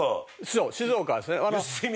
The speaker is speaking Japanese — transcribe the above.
そう静岡ですね。